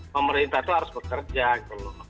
pemerintah itu harus bekerja gitu loh